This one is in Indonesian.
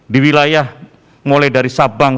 di wilayah mulai dari sabang